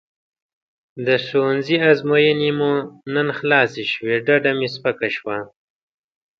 د ښوونځي ازموینې مو نن خلاصې شوې ډډه مې سپکه شوه.